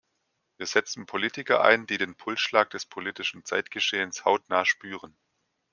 Wir setzen Politiker ein, die den Pulsschlag des politischen Zeitgeschehens hautnah spüren.